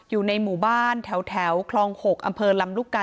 อยู่ในหมู่บ้านแถวคลอง๖อำเภอลำลูกกา